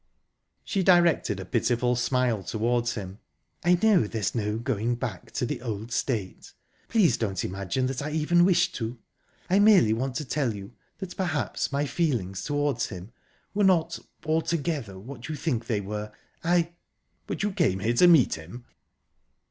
She directed a pitiful smile towards him. "I know there's no going back to the old state. Please don't imagine that I even wish to. I merely want to tell you that perhaps my feelings towards him were not altogether what you think they were. I..." "But you came here to meet him?"